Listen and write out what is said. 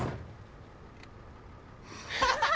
ハハハ。